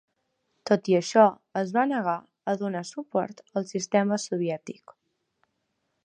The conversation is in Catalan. Tot i això, es va negar a donar suport al sistema soviètic.